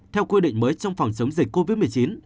theo quy định mới trong phòng chống dịch covid một mươi chín